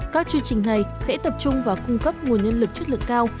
các chương trình này sẽ tập trung vào cung cấp nguồn nhân lực chất lượng cao